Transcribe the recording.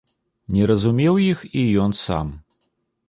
Не разумеў іх і ён сам.